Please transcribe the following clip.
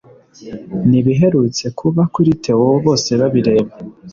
ni ibiherutse kuba kuri Theo Bosebabireba